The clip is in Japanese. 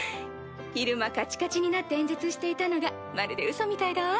昼間カチカチになって演説していたのがまるでウソみたいだわ。